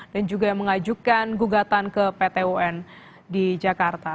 dan juga mengajukan gugatan ke pt un di jakarta